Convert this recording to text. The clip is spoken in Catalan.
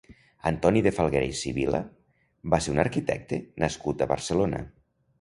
Antoni de Falguera i Sivilla va ser un arquitecte nascut a Barcelona.